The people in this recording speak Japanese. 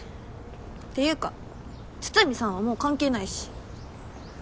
ていうか筒見さんはもう関係ないし。